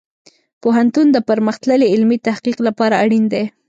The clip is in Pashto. پوهنتون د پرمختللې علمي تحقیق لپاره اړین دی.